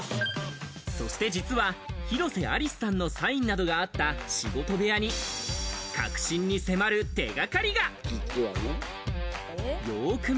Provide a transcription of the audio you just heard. そして実は広瀬アリスさんのサインなどがあった仕事部屋に核心に迫る手掛かりが。